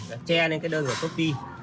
và che lên cái đơn của shopee